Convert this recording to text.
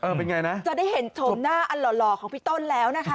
เออเป็นอย่างไรนะจบจะได้เห็นโชว์หน้าอ่ะหล่อของพี่ต้นแล้วนะคะ